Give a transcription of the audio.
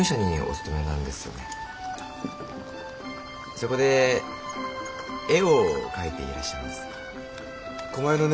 そこで絵を描いていらっしゃいますね。